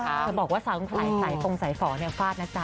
จะบอกว่าสังหลายตรงสายฝ่อเนี่ยฟาดนะจ๊ะ